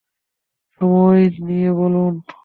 সময় নিয়ে বলুন।